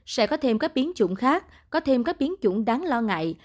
sẽ có thêm các biến chủng khác có thêm các biến chủng đáng lo ngại